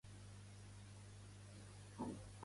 Podries reproduir un tema de Sopa de Cabra?